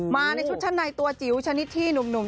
มาในชุดชั้นในตัวจิ๋วชนิดที่หนุ่ม